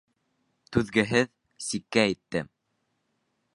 Түҙгеһеҙ сиккә етте.